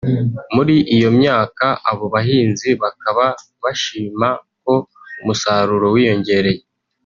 muri iyo myaka abo bahinzi bakaba bashima ko umusaruro wiyongereye